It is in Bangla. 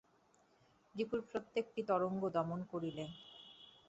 রিপুর প্রত্যেকটি তরঙ্গ দমন করিলে তাহা তোমার অনুকূলে সমতা রক্ষা করে।